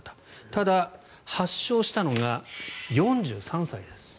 ただ、発症したのが４３歳です。